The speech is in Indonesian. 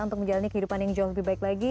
untuk menjalani kehidupan yang jauh lebih baik lagi